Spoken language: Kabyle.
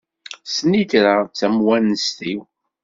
Snitra d tamewanest-iw.